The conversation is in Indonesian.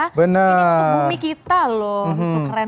ini untuk bumi kita loh keren banget